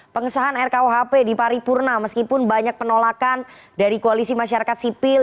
pengesahan rkuhp di paripurna meskipun banyak penolakan dari koalisi masyarakat sipil